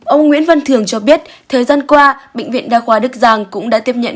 ông nguyễn văn thường cho biết thời gian qua bệnh viện đa khoa đức giang cũng đã tiếp nhận